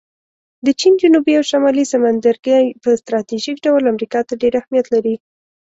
د چین جنوبي او شمالي سمندرګی په سټراټیژیک ډول امریکا ته ډېر اهمیت لري